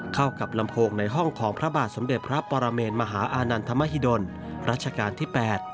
เข้ากับลำโพงในห้องของพระบาทสมเด็จพระปรเมนมหาอานันทมหิดลรัชกาลที่๘